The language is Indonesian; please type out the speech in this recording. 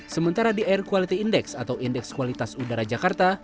sementara di air quality index atau indeks kualitas udara jakarta